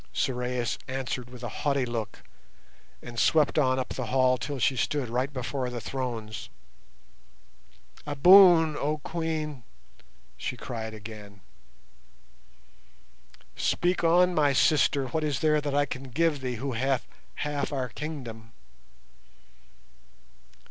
Sorais answered with a haughty look, and swept on up the hall till she stood right before the thrones. "A boon, oh Queen!" she cried again. "Speak on, my sister; what is there that I can give thee who hath half our kingdom?"